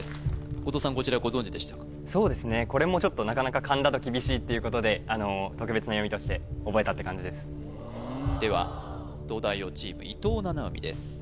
後藤さんこちらご存じでしたかそうですねこれもちょっとなかなか勘だと厳しいっていうことででは東大王チーム伊藤七海です